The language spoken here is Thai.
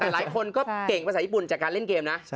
แต่หลายคนก็เก่งภาษาญี่ปุ่นจากการเล่นเกมนะ